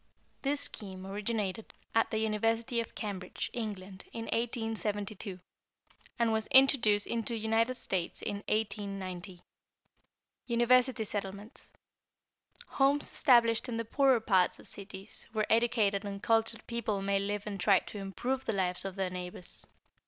The scheme originated at the University of Cambridge, England, in 1872, and was introduced into the United States in 1890. =University Settlements.= Homes established in the poorer parts of cities, where educated and cultured people may live and try to improve the lives of their neighbors.